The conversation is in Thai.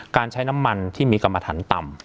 การใช้น้ำมันที่มีกรรมฐานต่ำ